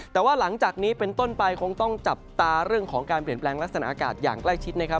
แต่ว่าหลังจากนี้เป็นต้นไปคงต้องจับตาเรื่องของการเปลี่ยนแปลงลักษณะอากาศอย่างใกล้ชิดนะครับ